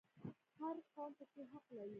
هر قوم پکې حق لري